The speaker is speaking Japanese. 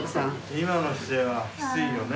今の姿勢はきついよね。